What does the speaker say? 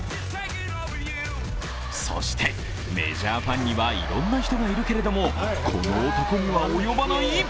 そして、メジャーファンにはいろんな人がいるけれども、この男には及ばない？